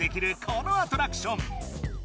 このアトラクション